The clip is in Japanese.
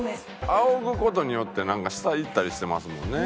あおぐ事によってなんか下行ったりしてますもんね。